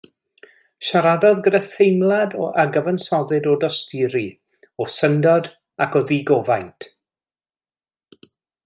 Siaradodd gyda theimlad a gyfansoddid o dosturi, o syndod ac o ddigofaint.